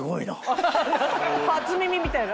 初耳みたいな。